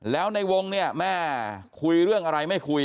แล้วในวงเนี่ยแม่คุยเรื่องอะไรไม่คุย